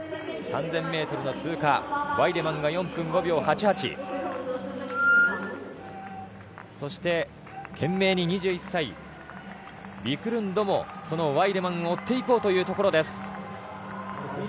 ３０００ｍの通過、ワイデマンが４分５秒８８そして、懸命に２１歳ビクルンドもそのワイデマンを追っていこうというところです。